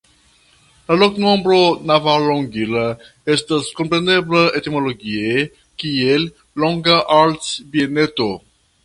La loknomo "Navalonguilla" estas komprenebla etimologie kiel "Longa Altbieneto".